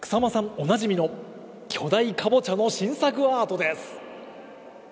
おなじみの巨大カボチャの新作アートです。